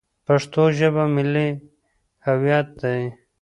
پښتو ژبه زموږ ملي هویت دی.